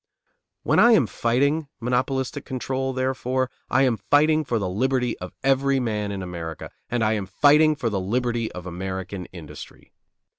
When I am fighting monopolistic control, therefore, I am fighting for the liberty of every man in America, and I am fighting for the liberty of American industry.